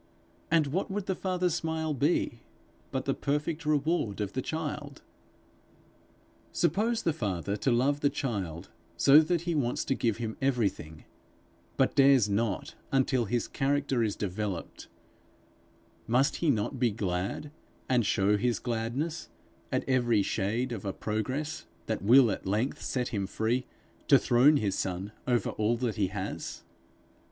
and what would the father's smile be but the perfect reward of the child? Suppose the father to love the child so that he wants to give him everything, but dares not until his character is developed: must he not be glad, and show his gladness, at every shade of a progress that will at length set him free to throne his son over all that he has?